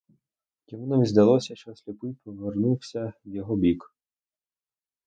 Йому навіть здалося, що сліпий повернувся в його бік.